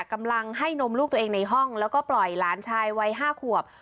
กำลังให้นมลูกตัวเองในห้องแล้วก็ปล่อยหลานชายวัย๕ขวบ